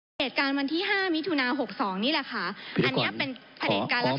อันดับหนุ่มอันที่ห้ามิธุนาหกสองนี่แหละค่ะ